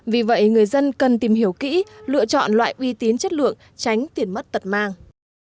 vì vậy người dân cần tìm hiểu kỹ lựa chọn loại uy tín chất lượng tránh tiền mất tật mang